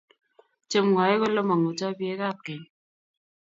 Chemwoe kole mangutoi biekap keny